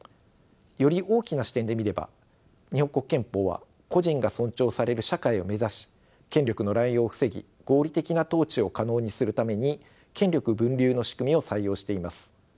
より大きな視点で見れば日本国憲法は個人が尊重される社会を目指し権力の乱用を防ぎ合理的な統治を可能にするために権力分立の仕組みを採用しています。